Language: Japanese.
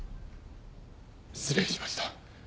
失礼しました。